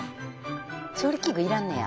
調理器具いらんのや。